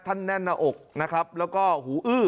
ท่านแน่นระอกและหูอื้อ